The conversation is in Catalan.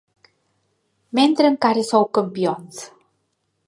Mentre encara sou campions!